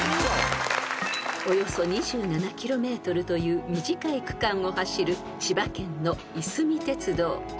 ［およそ２７ｋｍという短い区間を走る千葉県のいすみ鉄道］